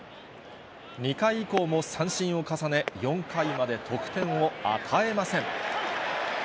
２回以降も三振を重ね、４回まで得点を与えません。